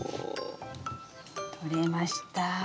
とれました。